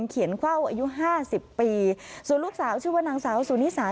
เขียนเข้าอายุห้าสิบปีส่วนลูกสาวชื่อว่านางสาวสุนิสา